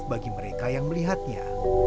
bagi mereka yang melihatnya